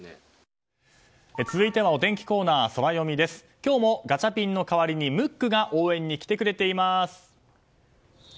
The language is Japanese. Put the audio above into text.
今日もガチャピンの代わりにムックが応援に来てくれています。